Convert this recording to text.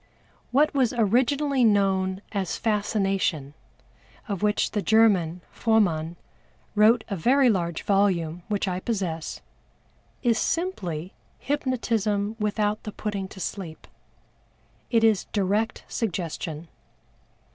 What was originally known as Fascination, of which the German, FROMANN, wrote a very large volume which I possess, is simply Hypnotism without the putting to sleep. It is direct Suggestion.